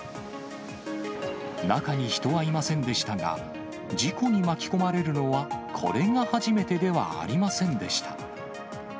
中に人はいませんでしたが、事故に巻き込まれるのはこれが初めてではありませんでした。